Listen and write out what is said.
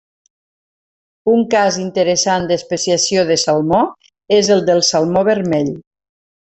Un cas interessant d'especiació de salmó és el del salmó vermell.